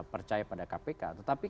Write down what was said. percaya pada kpk tetapi